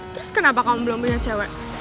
terus kenapa kau belum punya cewek